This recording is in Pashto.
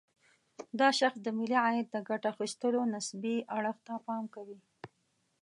دا شاخص د ملي عاید د ګټه اخيستلو نسبي اړخ ته پام کوي.